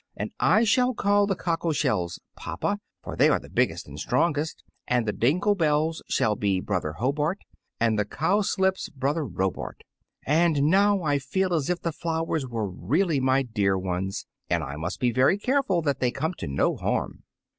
And I shall call the cockle shells papa, for they are the biggest and strongest; and the dingle bells shall be brother Hobart, and the cowslips brother Robart. And now I feel as if the flowers were really my dear ones, and I must be very careful that they come to no harm!"